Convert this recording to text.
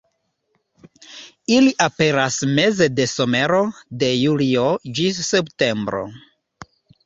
Ili aperas meze de somero, de julio ĝis septembro.